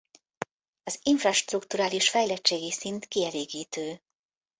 Az infrastrukturális fejlettségi szint kielégítő.